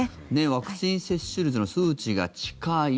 ワクチン接種率の数値が近い。